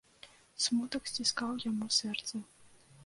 Смутак сціскаў яму сэрца.